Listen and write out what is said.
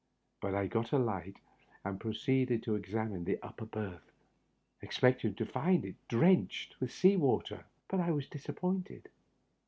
But I got a light and proceeded to examine the upper berth, expecting to find it drenched with sea water. But I was disappointed.